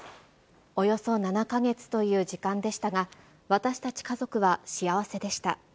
およそ７か月という時間でしたが、私たち家族は幸せでした。